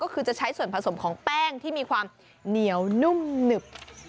ก็คือจะใช้ส่วนผสมของแป้งที่มีความเหนียวนุ่มหนึบ